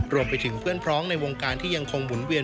รวมไปถึงเพื่อนพร้อมในวงการที่ยังคงหุ่นเวียน